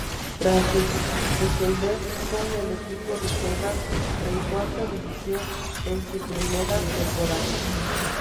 Tras descender con el equipo reserva en cuarta división en su primera temporada.